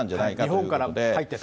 日本から入ってる。